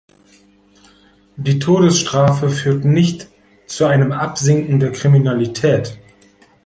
Die Todesstrafe führt nicht zu einem Absinken der Kriminalität.